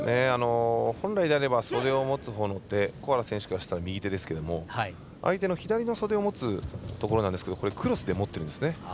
本来であれば袖を持つほうの手小原選手からしたら右手ですけど相手の左の袖を持つところなんですけどクロスで持ってるんですね。